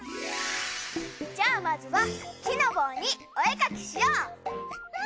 じゃあまずは木の棒にお絵描きしよう。